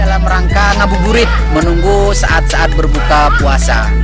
dalam rangka ngabuburit menunggu saat saat berbuka puasa